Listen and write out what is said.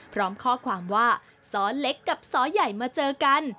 พร้อมข้อความว่าซ้อเล็กกับซ้อใหญ่มาเจอกัน